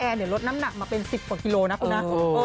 ลดน้ำหนักมาเป็น๑๐กว่ากิโลนะคุณนะ